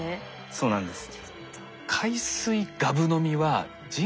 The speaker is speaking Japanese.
そうなんです。